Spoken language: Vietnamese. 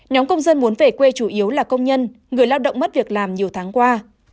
nhóm công dân muốn về quê chủ yếu là công nhân người lao động mất việc làm nhiều tháng qua